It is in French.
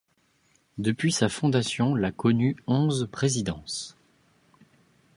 Depuis sa fondation l’ a connu onze présidences.